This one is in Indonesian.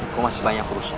gue masih banyak urusan